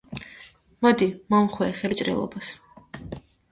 მოდი, მომხვიე ხელი ჭრილობას!